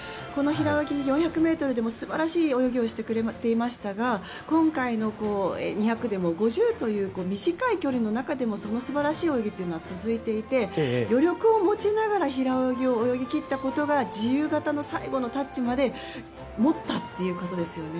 ４００ｍでも素晴らしい泳ぎをしてくれていましたが今回の２００でも５０という短い距離の中でもその素晴らしい泳ぎというのは続いていて、余力を持ちながら平泳ぎを泳ぎ切ったことが自由形の最後のタッチまでもったということですよね。